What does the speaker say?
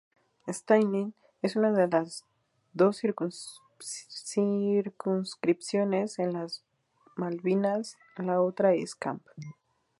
Stanley es una de las dos circunscripciones en las Malvinas, la otra es Camp.